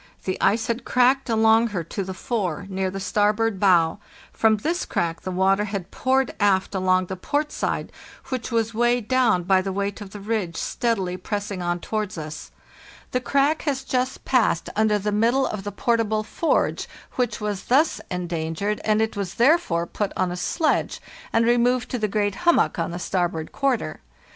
The ice had cracked along her to the fore, near the starboard bow; from this crack the water had poured aft along the port side, which was weighed down by the weight of the ridge steadily pressing on towards us. The crack has just CAPTAIN SVERDRUP IN His (CABIN (From a photograph) \' THE NEW YEAR, 1895. 51 passed under the middle of the portable forge, which was thus endangered, and it was therefore put on a sledge and removed to the great hummock on the starboard quarter.